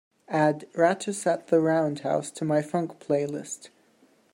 Add Rattus at the Roundhouse to my funk playlist.